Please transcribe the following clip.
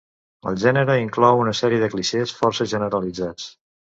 El gènere inclou una sèrie de clixés força generalitzats.